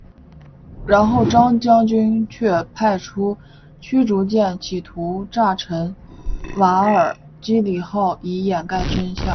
然后张将军却派出驱逐舰企图炸沉瓦尔基里号以掩盖真相。